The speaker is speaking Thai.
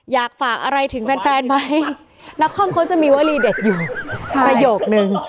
อยากฝากอะไรถึงแฟนไหมนักคอมเขาจะมีวลีเด็ดอยู่ประโยคนึง